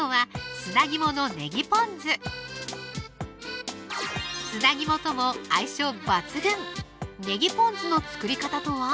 砂肝とも相性抜群ねぎポン酢の作り方とは？